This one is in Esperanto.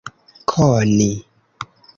koni